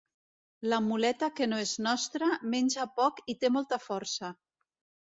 La muleta que no és nostra, menja poc i té molta força.